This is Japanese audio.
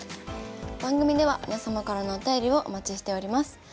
番組では皆様からのお便りをお待ちしております。